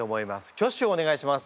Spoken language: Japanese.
挙手をお願いします。